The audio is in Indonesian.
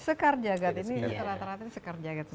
sekar jagad ini rata rata sekar jagad